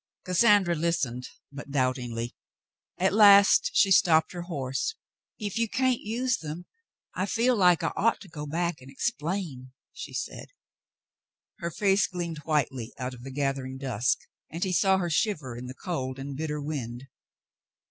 '* Cassandra listened, but doubtingly. At last she stopped her horse. *'If you can't use them, I feel like I ought to go back and explain," she said. Her face gleamed whitely out of the gathering dusk, and he saw her shiver in the cold and bitter wind.